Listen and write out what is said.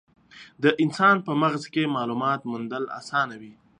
د انسان په مغز کې مالومات موندل اسانه وي.